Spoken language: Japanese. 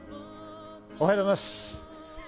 おはようございます。